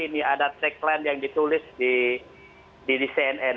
ini ada tagline yang ditulis di cnn